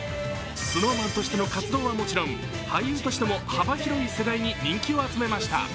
ＳｎｏｗＭａｎとしての活動はもちろん俳優としても幅広い世代に人気を集めました。